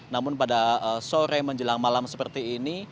namun pada sore menjelang malam seperti ini